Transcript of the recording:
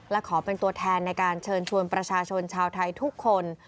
และขอเป็นตัวแทนในการเชิญชวนประชาชนชาวไทยทุกคน